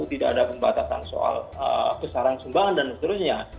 tidak ada pembatasan soal besaran sumbangan dan seterusnya